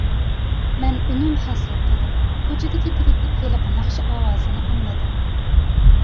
مەن ئۈنۈم ھاسىل قىلدىم. كوچىدا كېتىۋېتىپ ھېلىقى ناخشا ئاۋازىنى ئاڭلىدىم.